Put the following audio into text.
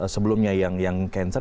sebelumnya yang cancer